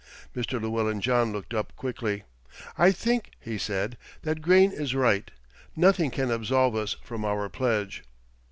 Mr. Llewellyn John looked up quickly. "I think," he said, "that Grayne is right. Nothing can absolve us from our pledge."